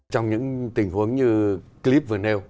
trong những tình huống như clip vừa nêu